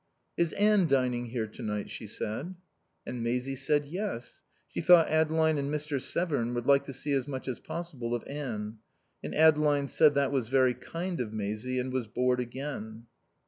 "Is Anne dining here tonight?" she said. And Maisie said yes, she thought Adeline and Mr. Severn would like to see as much as possible of Anne. And Adeline said that was very kind of Maisie, and was bored again.